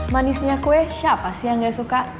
manisnya kue siapa sih yang gak suka